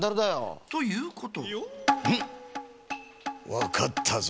わかったぞ。